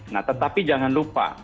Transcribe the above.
nah tetapi jangan lupa